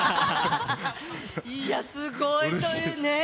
いや、すごいという、ねー、